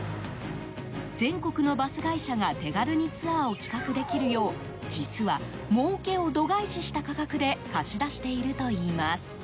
全国のバス会社が手軽にツアーを企画できるよう実は、もうけを度外視した価格で貸し出しているといいます。